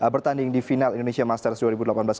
bertanding di final indonesia masters dua ribu delapan belas